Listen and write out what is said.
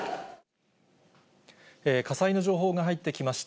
火災の情報が入ってきました。